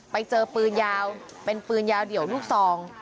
ไปเจอปืนยาวเป็นปืนยาวเดี่ยวลูกซอง